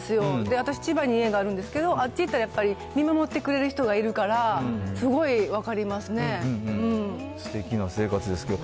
私、千葉に家があるんですけど、あっち行ったらやっぱり見守ってくれる人がいるから、すごい分かすてきな生活ですけど。